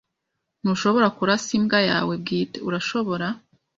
Ntushobora kurasa imbwa yawe bwite, urashobora?